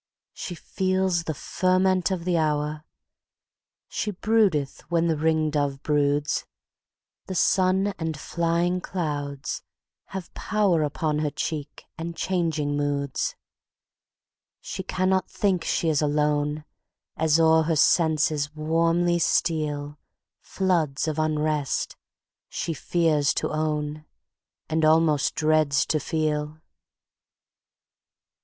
She feels the ferment of the hour:She broodeth when the ringdove broods; The sun and flying clouds have powerUpon her cheek and changing moods. She cannot think she is alone, As o'er her senses warmly stealFloods of unrest she fears to own, And almost dreads to feel.